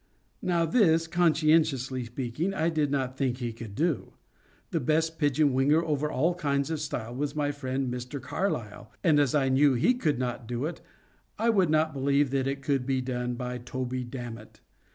Now this, conscientiously speaking, I did not think he could do. The best pigeon winger over all kinds of style was my friend Mr. Carlyle, and as I knew he could not do it, I would not believe that it could be done by Toby Dammit.